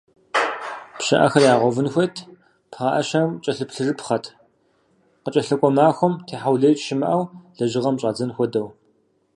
ПщыӀэхэр ягъэувын хуейт, пхъэӀэщэхэм кӀэлъыплъыжыпхъэт, къыкӀэлъыкӀуэ махуэм техьэулеикӀ щымыӀэу лэжьыгъэм щӀадзэн хуэдэу.